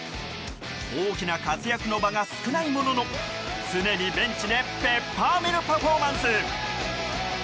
大きな活躍の場が少ないものの常にベンチでペッパーミルパフォーマンス。